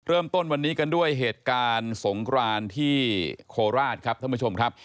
เริ่มต้นวันนี้กันด้วยเหตุการณ์สงครานที่โคราชครับท่านผู้ชมครับ